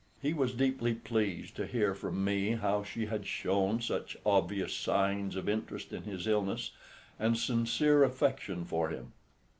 He was deeply pleased to hear from me how she had shown such obvious, signs of interest in his illness, and sincere affection for him.